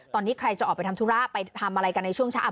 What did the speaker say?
ตอนนี้ใครจะออกไปทำธุระไปทำอะไรกันในช่วงเช้า